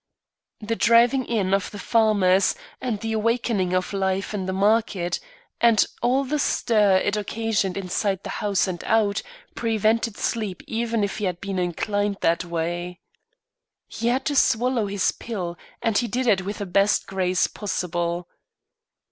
The driving in of the farmers and the awakening of life in the market, and all the stir it occasioned inside the house and out, prevented sleep even if he had been inclined that way. He had to swallow his pill, and he did it with the best grace possible.